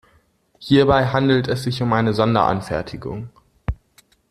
Hierbei handelt es sich um eine Sonderanfertigung.